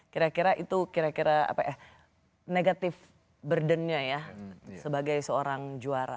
kira kira itu kira kira negatif burdennya ya sebagai seorang juara